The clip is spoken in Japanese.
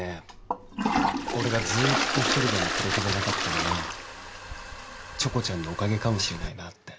俺がずっと一人でも孤独じゃなかったのはチョコちゃんのおかげかもしれないなって。